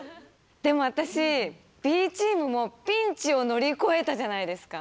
でも私Ｂチームもピンチを乗り越えたじゃないですか。